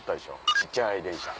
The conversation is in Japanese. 小っちゃい電車。